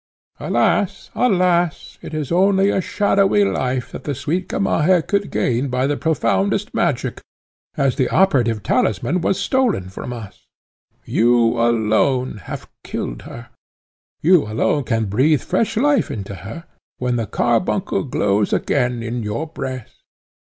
Alas! it was only a shadowy life that the sweet Gamaheh could gain by the profoundest magic, as the operative talisman was stolen from us. You alone have killed her, you alone can breathe fresh life into her, when the carbuncle glows again in your breast."